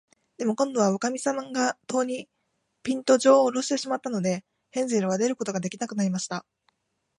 でも、こんどは、おかみさんが戸に、ぴんと、じょうをおろしてしまったので、ヘンゼルは出ることができなくなりました。